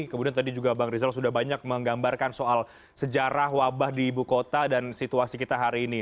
kemudian tadi juga bang rizal sudah banyak menggambarkan soal sejarah wabah di ibu kota dan situasi kita hari ini